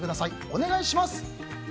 お願いします。